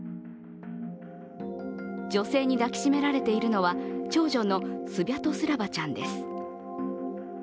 女性に抱きしめられているのは長女のスビャトスラバちゃんです。